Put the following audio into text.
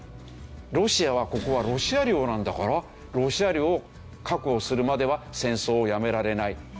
ロシアはここはロシア領なんだからロシア領を確保するまでは戦争をやめられない。